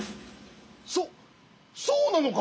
そそうなのか！